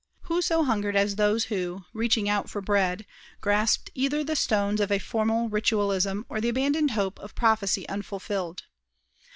Who so hungered as those who, reaching out for bread, grasped either the stones of a formal ritualism or the abandoned hope of prophecy unfulfilled?